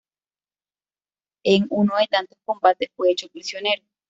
En uno de tantos combates fue hecho prisionero.